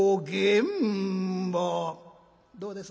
「どうです？